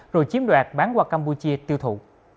rồi chiếm đoạt bán qua campuchia tiêu thụ